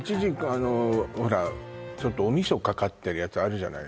あのほらちょっとお味噌かかってるやつあるじゃない？